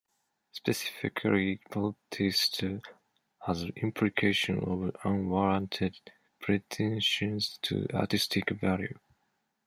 Specifically, "poetaster" has implications of unwarranted pretentions to artistic value.